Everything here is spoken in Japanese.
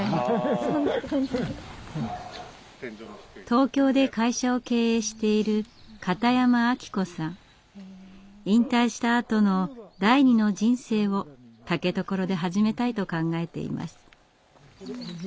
東京で会社を経営している引退したあとの第２の人生を竹所で始めたいと考えています。